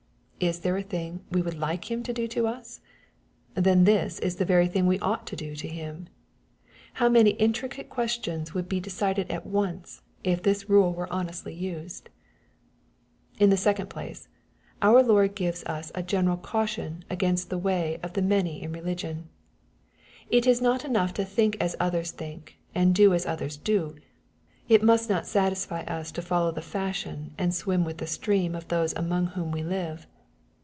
Is there a thing we would like him to do to us ? Then this is the very thing we ought to do to him. — How many intricate ques tions would be decided at once, if this rule were honestlj used 1 3IATTHKW, CHAP. VII. 67 In the second place, our Lord gives us a generc£ tantion against the way of the many in religion. It is not enough to thiuk as others think, and do as othens do. It must not satisfy us to follow the fashion, and swim with the stream of those among whom we live.